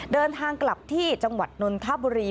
เดินทางกลับที่จังหวัดนนทบุรี